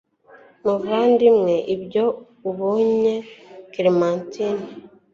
muvandimwe, iyo ubonye clementine